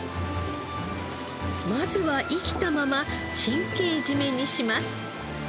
まずは生きたまま神経締めにします。